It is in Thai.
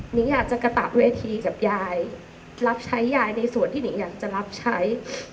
นิงอยากจะกระตะเวทีกับยายรับใช้ยายในส่วนที่หนิงอยากจะรับใช้